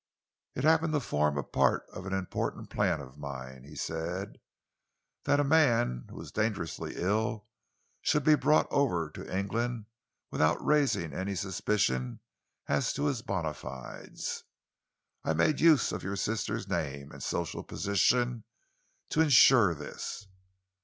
"It happened to form part of an important plan of mine," he said, "that a man who was dangerously ill should be brought over to England without raising any suspicion as to his bona fides. I made use of your sister's name and social position to ensure this.